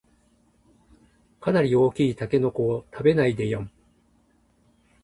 かなり大きいタケノコを食べないでよん